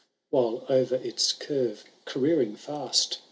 While o^er its curve caroering fiust.